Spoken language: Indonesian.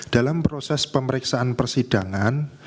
dalam proses pemeriksaan persidangan